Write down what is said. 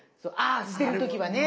あ捨てる時はね。